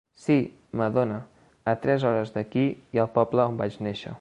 Sí, madona; a tres hores d’aquí hi ha el poble on vaig nàixer.